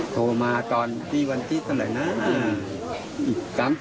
โทรมาก่อนที่วันที่เสร็จนะ